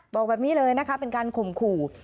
บอกแบบนี้เลยนะคะเป็นการข่มขู่